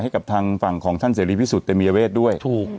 ให้กับทางฝั่งของท่านเสรีพิสุทธิ์เตมียเวทด้วยถูก